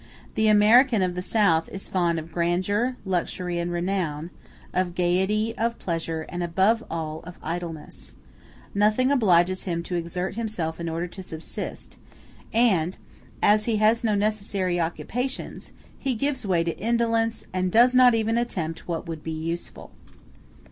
The American of the South is fond of grandeur, luxury, and renown, of gayety, of pleasure, and above all of idleness; nothing obliges him to exert himself in order to subsist; and as he has no necessary occupations, he gives way to indolence, and does not even attempt what would be useful.